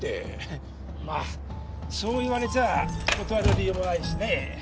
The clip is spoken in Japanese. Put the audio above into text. まあそう言われちゃあ断る理由もないしね。